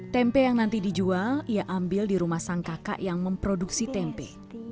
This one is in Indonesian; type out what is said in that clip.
tempe yang nanti dijual ia ambil di rumah sang kakak yang memproduksi tempe